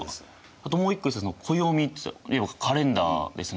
あともう一個暦要はカレンダーですね